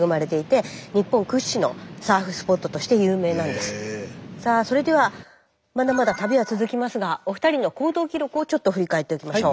でも本当にあのさあそれではまだまだ旅は続きますがお二人の行動記録をちょっと振り返っておきましょう。